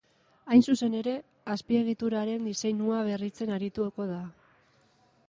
Hain zuzen ere, azpiegituraren diseinua berritzen arituko da.